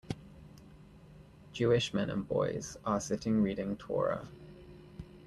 Jewish men and boys r sitting reading Torah.